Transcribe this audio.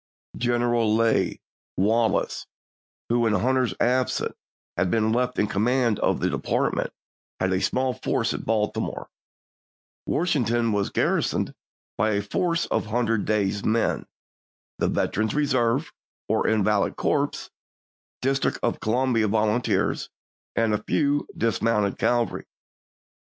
General Lew. Wallace, who in Hunter's absence had been left in command of the department, had a small force at Baltimore ; Washington was garrisoned by a force of hundred days men — the Veteran Reserves (or invalid corps), District of Columbia Volunteers, and a few dismounted cavalry.